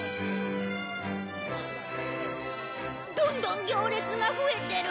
どんどん行列が増えてる！